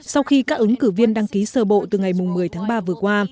sau khi các ứng cử viên đăng ký sơ bộ từ ngày một mươi tháng ba vừa qua